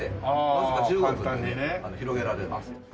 わずか１５分で広げられます。